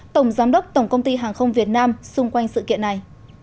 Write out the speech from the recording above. tổng giám đốc tổng công ty hàng không việt nam xung quanh sự kiện này